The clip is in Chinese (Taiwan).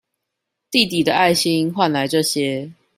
弟弟的愛心換來這些